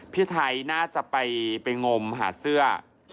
พี่ไทยน่าจะไปงมหาเสื้อ